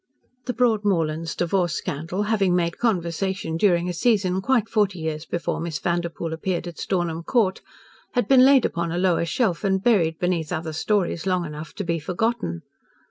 The Broadmorlands divorce scandal, having made conversation during a season quite forty years before Miss Vanderpoel appeared at Stornham Court, had been laid upon a lower shelf and buried beneath other stories long enough to be forgotten.